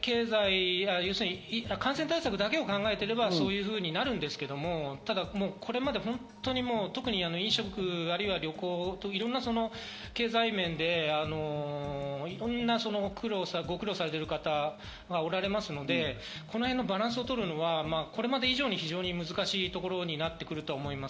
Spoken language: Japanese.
このへんも感染対策だけを考えていれば、そういうふうになるんですけど、これまで本当に特に飲食、あるいは旅行、経済面でいろんな御苦労をされている方がおられますので、このへんのバランスを取るのはこれまで以上に非常に難しいところになってくると思います。